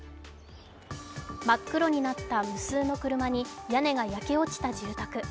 真っ黒になった無数の車に屋根が焼け落ちた住宅。